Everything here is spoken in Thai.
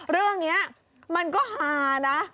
เรื่องนี้มันก็ฮานะ